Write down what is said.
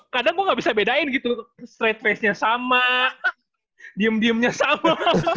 kadang gua gak bisa bedain gitu straight facenya sama diem diemnya sama